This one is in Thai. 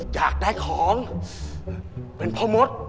อยากได้ของเป็นพ่อมด